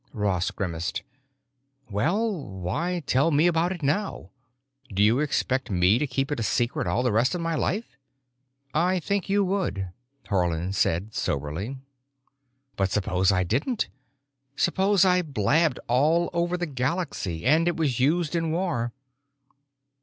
Ross grimaced. "Well, why tell me about it now? Do you expect me to keep it secret all the rest of my life?" "I think you would," Haarland said soberly. "But suppose I didn't? Suppose I blabbed all over the Galaxy, and it was used in war?"